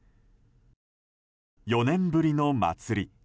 ４年ぶりの祭り。